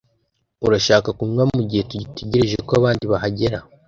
urashaka kunywa mugihe tugitegereje ko abandi bahagera